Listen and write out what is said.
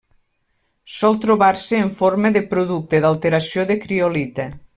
Sol trobar-se en forma de producte d'alteració de criolita.